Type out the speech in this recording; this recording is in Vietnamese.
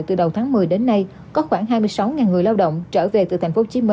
từ đầu tháng một mươi đến nay có khoảng hai mươi sáu người lao động trở về từ tp hcm